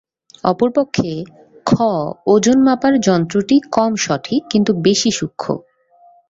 অপরপক্ষে "খ" ওজন মাপার যন্ত্রটি কম সঠিক, কিন্তু বেশি সূক্ষ্ম।